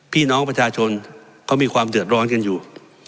พี่น้องประชาชนเขามีความเดือดร้อนกันอยู่